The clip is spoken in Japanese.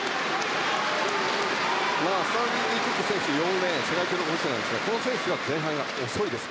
スタブルティ・クック選手４レーン、世界記録保持者ですがこの選手は前半は遅いです。